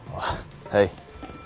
はい。